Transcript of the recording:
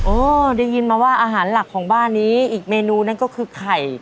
ได้ยินมาว่าอาหารหลักของบ้านนี้อีกเมนูนั่นก็คือไข่